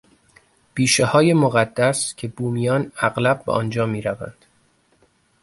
بیشههای مقدس که بومیان اغلب به آنجا میروند